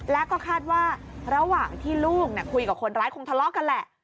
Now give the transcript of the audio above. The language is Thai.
แล้วก็คาดว่าระหว่างที่ลูกคุยกับคนร้ายคงทะเลาะกันแหละ